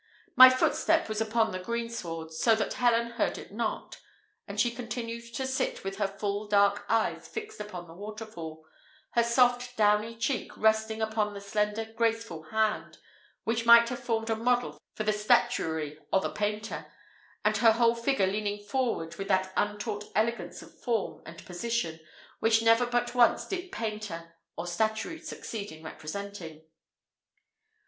My footstep was upon the greensward, so that Helen heard it not; and she continued to sit with her full dark eyes fixed upon the waterfall, her soft downy cheek resting upon the slender, graceful hand, which might have formed a model for the statuary or the painter, and her whole figure leaning forward with that untaught elegance of form and position, which never but once did painter or statuary succeed in representing.